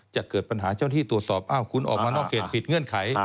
จะเกิดปัญหาเจ้าหน้าที่ตรวจสอบอ้าวคุณออกมานอกเขตผิดเงื่อนไข